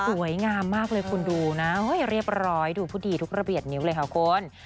สวยงามมากเลยคุณดูนะเรียบร้อยดูผู้ดีทุกระเบียบนิ้วเลยค่ะคุณ